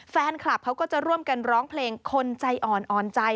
แฟนคลับเขาก็จะร่วมกันร้องเพลงคนใจอ่อนอ่อนใจ